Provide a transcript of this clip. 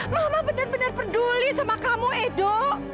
mama benar benar peduli sama kamu edo